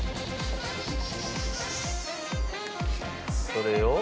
それを。